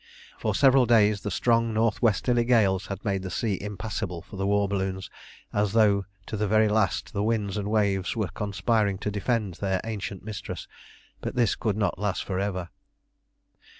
For several days strong north westerly gales had made the sea impassable for the war balloons, as though to the very last the winds and waves were conspiring to defend their ancient mistress. But this could not last for ever.